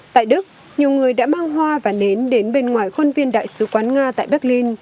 tại đức nhiều người đã mang hoa và nến đến bên ngoài khuôn viên đại sứ quán nga tại berlin